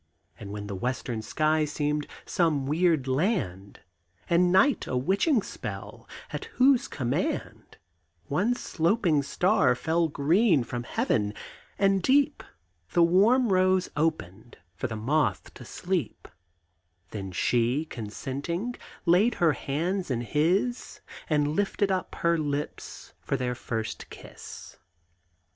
And when the western sky seemed some weird land, And night a witching spell at whose command One sloping star fell green from heav'n; and deep The warm rose opened for the moth to sleep; Then she, consenting, laid her hands in his, And lifted up her lips for their first kiss.